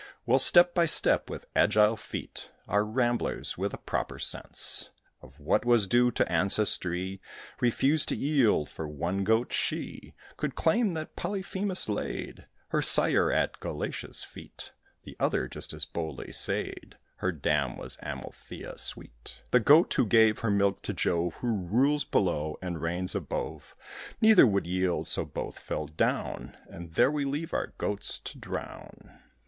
Well, step by step, with agile feet, Our ramblers, with a proper sense Of what was due to ancestry, Refused to yield; for one Goat, she Could claim that Polyphemus laid Her sire at Galatea's feet; The other, just as boldly, said Her dam was Amalthæa sweet The goat who gave her milk to Jove, Who rules below, and reigns above. Neither would yield, so both fell down, And there we leave our Goats to drown.